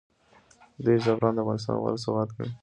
دوی زعفران د افغانستان غوره سوغات ګڼي.